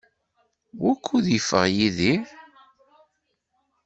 Wukud yeffeɣ Yidir?